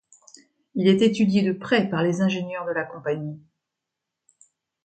Il est étudié de près par les ingénieurs de la compagnie.